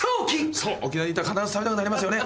そう沖縄に行ったら必ず食べたくなりますよね。